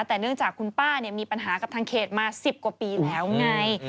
แต่เนื่องจากคุณป้ามีปัญหากับทางเขตมา๑๐กว่าปีแล้วไง